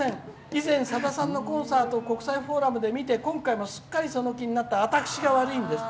以前、さださんのコンサートを国際フォーラムで見て今回も、すっかりその気になった私が悪いんです。